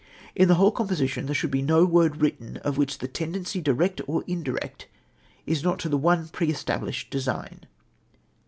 In the whole composition there should be no word written of which the tendency direct or indirect is not to the one pre established design."